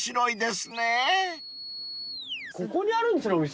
ここにあるんですねお店。